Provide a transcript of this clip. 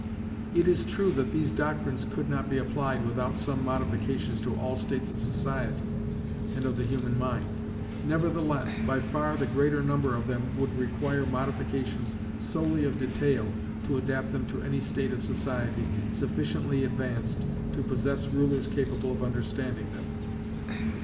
It is true that these doctrines could not be applied without some modifications to all states of society and of the human mind; nevertheless, by far the greater number of them would require modifications solely of detail to adapt them to any state of society sufficiently advanced to possess rulers capable of understanding them.